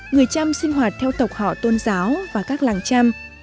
người chăm sinh hoạt theo tộc họ tôn giáo và các làng chăm